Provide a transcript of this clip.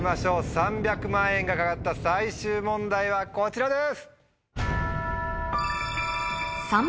３００万円が懸かった最終問題はこちらです。